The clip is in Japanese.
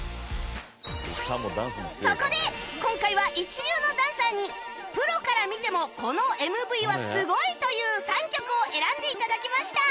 そこで今回は一流のダンサーにプロから見てもこの ＭＶ はすごい！という３曲を選んで頂きました